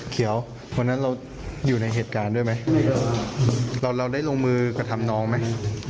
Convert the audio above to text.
เขียววันนั้นเราอยู่ในเหตุการณ์ด้วยไหมเราเราได้ลงมือกระทำน้องไหม